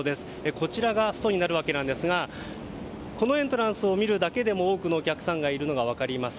こちらがストになるわけなんですがこのエントランスを見るだけでも多くのお客さんがいるのが分かります。